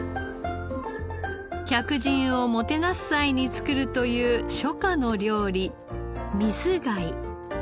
客人をもてなす際に作るという初夏の料理水貝。